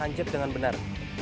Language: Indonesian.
lanjut dengan benar